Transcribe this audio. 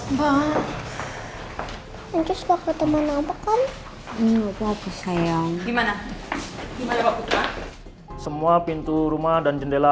mbak anjus bakal teman apa kan enggak apa apa sayang gimana gimana semua pintu rumah dan jendela